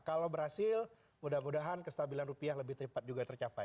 kalau berhasil mudah mudahan kestabilan rupiah lebih cepat juga tercapai